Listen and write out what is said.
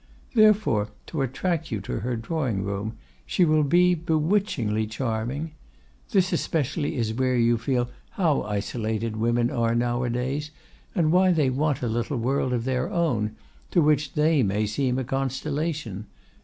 Therefore, to attract you to her drawing room, she will be bewitchingly charming. This especially is where you feel how isolated women are nowadays, and why they want a little world of their own, to which they may seem a constellation.